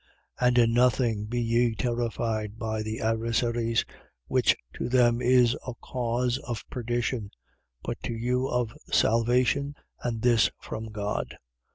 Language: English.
1:28. And in nothing be ye terrified by the adversaries: which to them is a cause of perdition, but to you of salvation, and this from God.